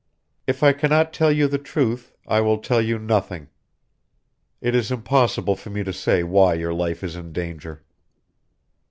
If I can not tell you the truth I will tell you nothing. It is impossible for me to say why your life is in danger."